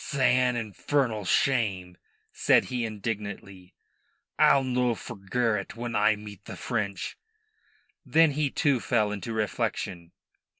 "'San infern'l shame," said he indignantly. "I'll no forgerrit when I... meet the French." Then he too fell into reflection.